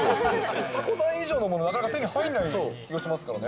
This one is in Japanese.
たこさん以上のもの、なかなか手に入らない気がしますからね。